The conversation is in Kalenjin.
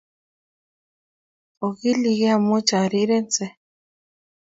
Ogilikei mochorirense